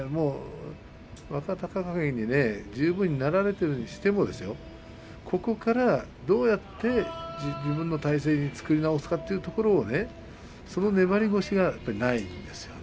若隆景に十分になられているにしても、ここからどうやって自分の体勢に作り直すかその粘り腰が御嶽海にはないんですよね。